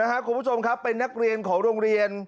คุณผู้ชมครับเป็นนักเรียนของโรงเรียน